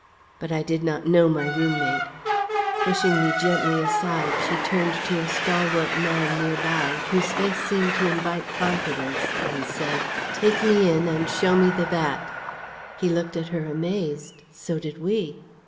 But I did not know my room mate. Pushing me gently aside, she turned to a stalwart man near by, whose face seemed to invite confidence, and said: "Take me in and show me the vat." He looked at her amazed; so did we.